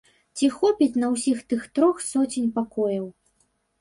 Ці хопіць на ўсіх тых трох соцень пакояў.